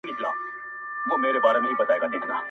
o هغه مه ښوروه ژوند راڅخـه اخلي.